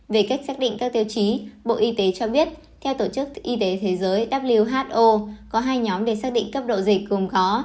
về cách xác định các tiêu chí bộ y tế cho biết theo tổ chức y tế thế giới who có hai nhóm để xác định cấp độ dịch cùng khó